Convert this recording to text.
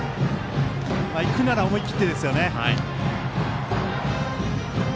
行くなら思い切ってですよね。